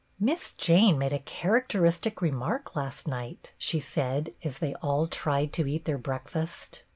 " Miss Jane made a characteristic remark last night," she said, as they all tried to eat their breakfast.